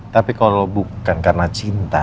tapi kalau bukan karena cinta